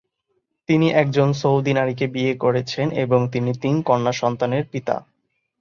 তিনি একজন সৌদি নারীকে বিয়ে করেছেন এবং তিনি তিন কন্যা সন্তানের পিতা।